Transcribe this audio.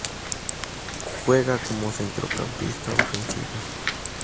Juega como centrocampista ofensivo.